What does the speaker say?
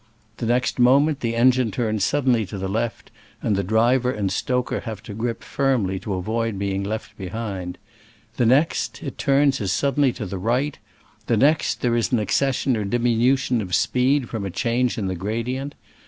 The next moment the engine turns sud denly to the left, and driver and stoker have to grip firmly to avoid being left behind ; the next, it turns as suddenly to the right ; the next, there is an ac cession or diminution of speed from a change in the gradient.